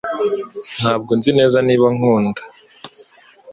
Ntabwo nzi neza niba ankunda